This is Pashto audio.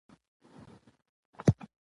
د ولس غږ اورېدل د ستونزو د حل لومړنی ګام دی